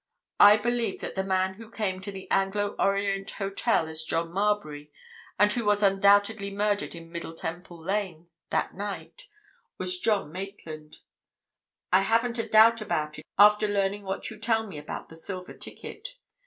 I believe that the man who came to the Anglo Orient Hotel as John Marbury and who was undoubtedly murdered in Middle Temple Lane that night, was John Maitland—I haven't a doubt about it after learning what you tell me about the silver ticket.